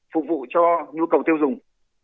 phục vụ cho nhu cầu tiêu dùng